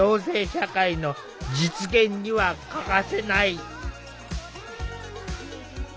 社会の実現には欠かせない。